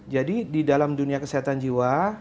jadi di dalam dunia kesehatan jiwa